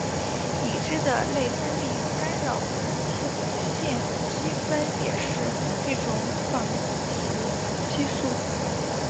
已知的内分泌干扰素烷基酚也是一种仿雌激素。